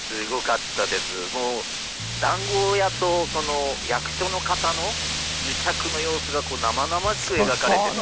もう談合屋とその役所の方の癒着の様子がこう生々しく描かれてて。